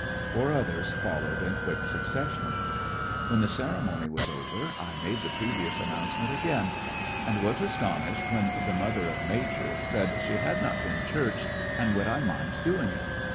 Four others followed in quick succession. When the ceremony was over, I made the "Churched ^.. in the wood previous announcement again, and was aston ished when the mother of "Major" said she had not been "Churched," and would I mind doing it?